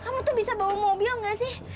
kamu tuh bisa bawa mobil nggak sih